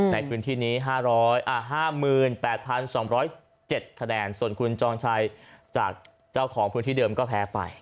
ในพื้นที่นี้๕๘๒๐๗คะแนนส่วนคุณจองชัยจากเจ้าของพื้นที่เดิมก็แพ้ไป